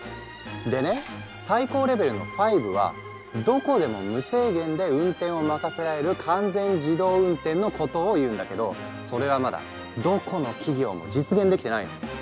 でね最高レベルの５はどこでも無制限で運転を任せられる完全自動運転のことを言うんだけどそれはまだどこの企業も実現できてないの。